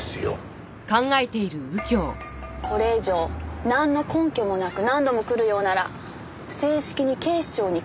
これ以上なんの根拠もなく何度も来るようなら正式に警視庁に抗議致します。